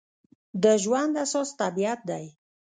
د ژوند اساس طبیعت دی.